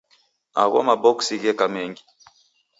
Agho maboksi gheka mengi.